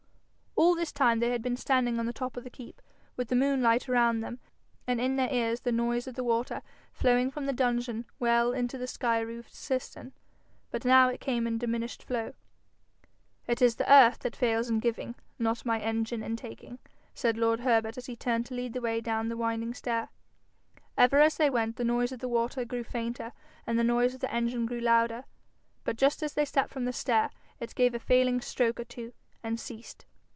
All this time they had been standing on the top of the keep, with the moonlight around them, and in their ears the noise of the water flowing from the dungeon well into the sky roofed cistern. But now it came in diminished flow. 'It is the earth that fails in giving, not my engine in taking,' said lord Herbert as he turned to lead the way down the winding stair. Ever as they went, the noise of the water grew fainter and the noise of the engine grew louder, but just as they stepped from the stair, it gave a failing stroke or two, and ceased.